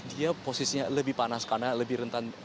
dia posisinya lebih panas karena lebih rentan